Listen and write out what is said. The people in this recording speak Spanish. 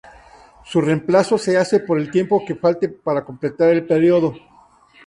Su reemplazo se hace por el tiempo que falte para completar el período.